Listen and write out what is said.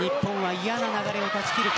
日本は嫌な流れを断ち切るか。